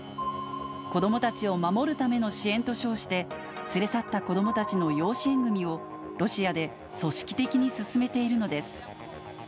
子どもたちを守るための支援と称して、連れ去った子どもたちの養子縁組みを、ロシアで組織的に進めているのです。